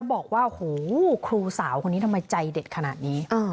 บอกว่าโหครูสาวคนนี้ทำไมใจเด็ดขนาดนี้